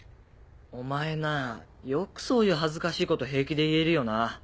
お前なぁよくそういう恥ずかしいこと平気で言えるよな。